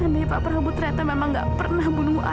andai pak prabu ternyata memang gak pernah bunuh ayah